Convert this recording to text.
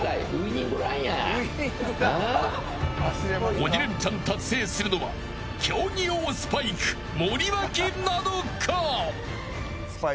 鬼レンチャン達成するのは競技用スパイク森脇なのか。